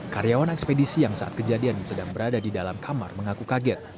karyawan ekspedisi yang saat kejadian sedang berada di dalam kamar mengaku kaget